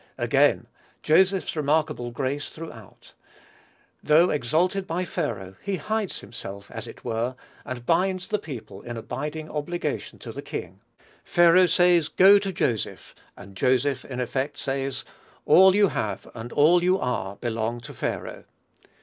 Again, Joseph's remarkable grace throughout: though exalted by Pharaoh, he hides himself, as it were, and binds the people in abiding obligation to the king. Pharaoh says, "Go to Joseph," and Joseph, in effect, says, "all you have and all you are belong to Pharaoh."